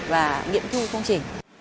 và nghiệm thu công trình